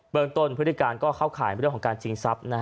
เมืองต้นพฤติการก็เข้าข่ายเรื่องของการชิงทรัพย์